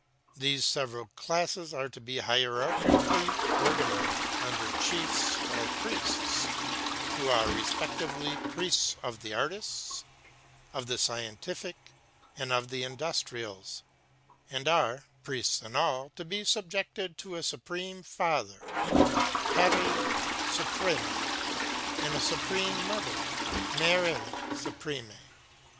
These several classes are to be hierarchically organized under chiefs or priests, who are respectively priests of the artists, of the scientific, and of the industrials, and are, priests and all, to be subjected to a supreme Father, Père Supréme, and a Supreme Mother, Mère Supréme.